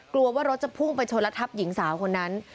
กลัวว่ารถจะพุ่งไปชนและทับหญิงสาวคนนั้น